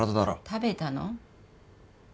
食べたの？